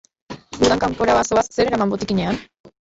Udan kanpora bazoaz, zer eraman botikinean?